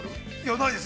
◆ないです。